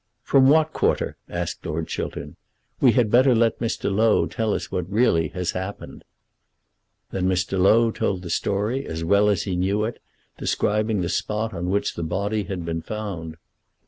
"From what quarter?" asked Lord Chiltern. "We had better let Mr. Low tell us what really has happened." Then Mr. Low told the story, as well as he knew it, describing the spot on which the body had been found.